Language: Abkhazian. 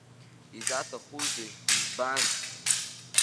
Изаҭахузеи, избан?